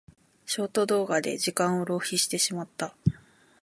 ショート動画で時間を浪費してしまった。